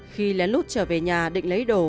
khi lén lút trở về nhà định lấy đồ